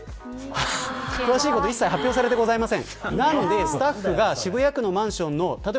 詳しいことは一切発表されてございません。